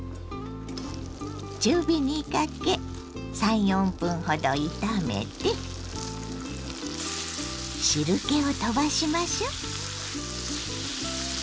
中火にかけ３４分ほど炒めて汁けを飛ばしましょう。